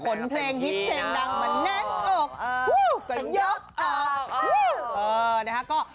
เพลงฮิตเพลงดังมาแน่นอกก็ยกออก